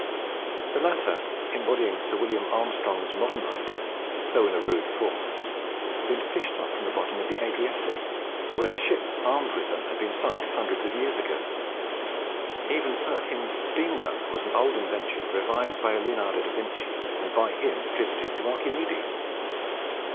The latter, embodying Sir William Armstrong's modern idea, though in a rude form, had been fished up from the bottom of the Adriatic, where the ship armed with them had been sunk hundreds of years ago. Even Perkins's steam gun was an old invention revived by Leonardo da Vinci and by him attributed to Archimedes.